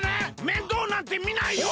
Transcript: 面倒なんてみないよ！